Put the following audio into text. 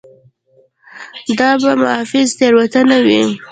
دا به محض تېروتنه وي.